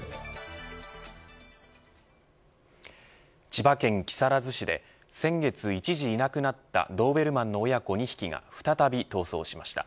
千葉県木更津市で先月、一時いなくなったドーベルマンの親子２匹が再び逃走しました。